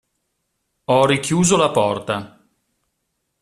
Ho richiuso la porta.